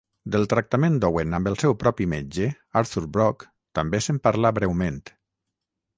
Del tractament d'Owen amb el seu propi metge, Arthur Brock, també se'n parla breument.